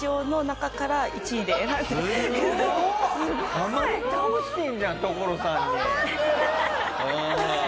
ハマり倒してんじゃん所さんに。